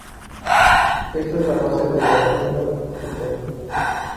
Esta es la base de la vacuna actual.